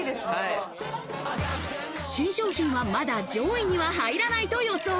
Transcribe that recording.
新商品は、まだ上位には入らないと予想。